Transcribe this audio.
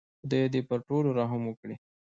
خدای دې پر ټولو رحم وکړي.